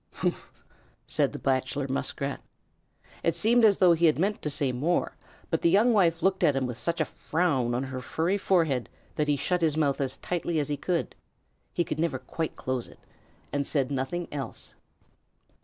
"Humph!" said the Bachelor Muskrat. It seemed as though he had meant to say more, but the young wife looked at him with such a frown on her furry forehead that he shut his mouth as tightly as he could (he never could quite close it) and said nothing else.